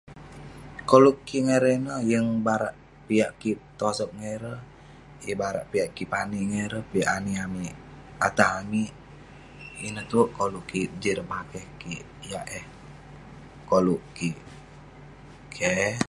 Koluk kik ngan ireh ineh yeng barak piak kik tosok ngan ireh yeng barak kik pani ngan ireh piak ani amik atah amik ineh tuek koluk kik jin ireh bakeh kik yah eh koluk kik keh